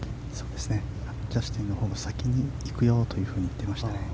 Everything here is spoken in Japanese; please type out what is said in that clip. ジャスティンのほうも先に行くよと言っていましたね。